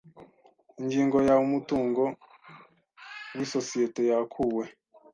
Ingingo ya Umutungo w isosiyete yakuwe